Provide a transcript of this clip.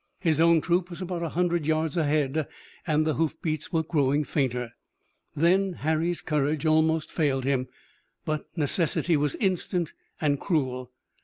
His own troop was about a hundred yards ahead and the hoofbeats were growing fainter. Then Harry's courage almost failed him, but necessity was instant and cruel.